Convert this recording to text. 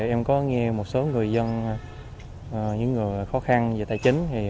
em có nghe một số người dân những người khó khăn về tài chính